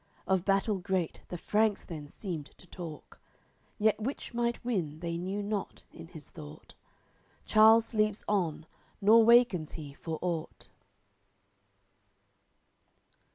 Of battle great the Franks then seemed to talk, Yet which might win they knew not, in his thought. Charles sleeps on, nor wakens he for aught.